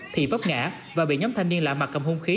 thì vấp ngã và bị nhóm thanh niên lạ mặt cầm hung khí